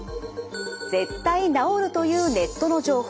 絶対治るというネットの情報。